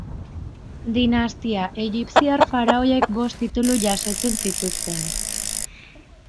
Dinastia, egipziar faraoiek bost titulu jasotzen zituzten.